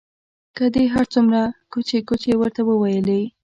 که دې هر څومره کوچې کوچې ورته وویلې.